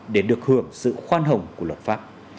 để được hưởng sự khoan hồng của luật pháp